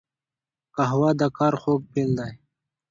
قهوه د کار خوږ پیل دی